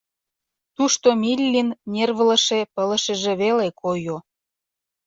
Тушто Миллин нервлыше пылышыже веле койо.